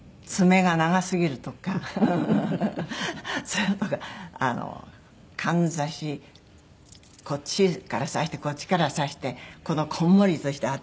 それとかかんざしこっちから挿してこっちから挿してこのこんもりとした頭